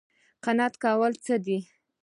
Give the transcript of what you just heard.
قناعت کول څه دي؟